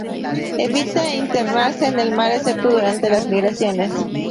Evita internarse en el mar excepto durante las migraciones.